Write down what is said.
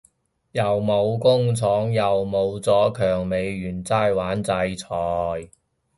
又冇工廠又冇咗強美元齋玩制裁